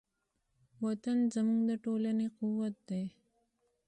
وطن زموږ د ټولنې قوت دی.